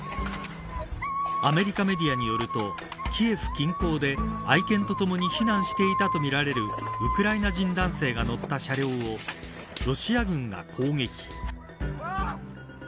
アメリカメディアによるとキエフ近郊で、愛犬とともに避難していたとみられるウクライナ人男性が乗った車両をロシア軍が攻撃。